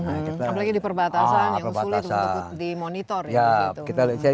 apalagi di perbatasan yang sulit untuk dimonitor